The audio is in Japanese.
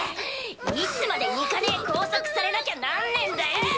いつまでニカねえ拘束されなきゃなんねぇんだよ！